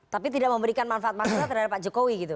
tapi tidak memberikan manfaat maksimal terhadap pak jokowi gitu